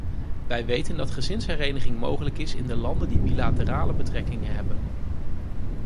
Wij weten dat gezinshereniging mogelijk is in de landen die bilaterale betrekkingen hebben.